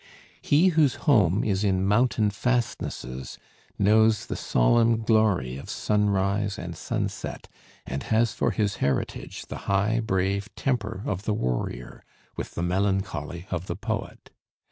He whose home is in mountain fastnesses knows the solemn glory of sunrise and sunset, and has for his heritage the high brave temper of the warrior, with the melancholy of the poet.